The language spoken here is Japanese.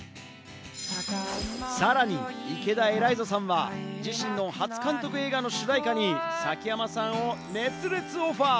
さらに池田エライザさんは自身の初監督映画の主題歌に崎山さんを熱烈オファー。